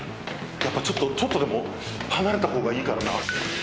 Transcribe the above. やっぱちょっとでも離れたほうがいいからな。